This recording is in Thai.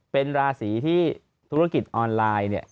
เป็นราศีที่ธุรกิจออนไลน์เนี่ย